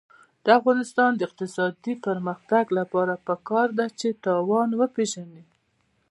د افغانستان د اقتصادي پرمختګ لپاره پکار ده چې تاوان وپېژنو.